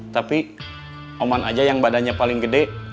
tapi oman aja yang badannya paling gede